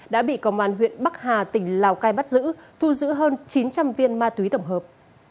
đã bị công an huyện bắc hà tỉnh lào cai bắt giữ thu giữ hơn chín trăm linh viên ma túy tổng hợp